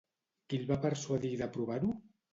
Qui el va persuadir d'aprovar-ho?